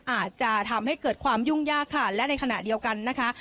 อาจจะทำให้เกิดความยุ่งยากค่ะและในขณะเดียวกันนะคะ